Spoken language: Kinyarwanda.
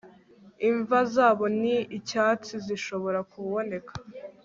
imva zabo ni icyatsi, zishobora kuboneka